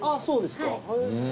そうですか。